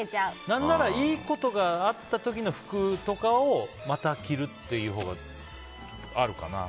何なら、いいことがあった時の服とかをまた着るほうがあるかな。